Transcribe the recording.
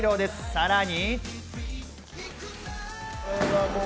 さらに。